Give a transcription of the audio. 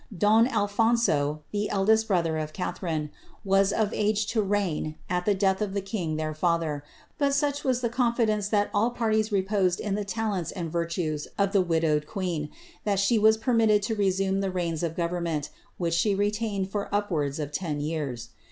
Don Alphonso, the eldest brother of Catharine, was of age to reign at the death of the king their father, but such was the confidence that all parties reposed in the talents and virtues of the widowed queen, that she was pennitted to assume tlie reins of government, which she retained for upwards of ten years.